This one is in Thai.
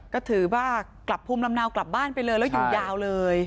ก็ถือว่ากลับภูมิลำเนากลับบ้านไปเลยแล้วอยู่ยาวเลย